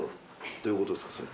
どういうことですかそれ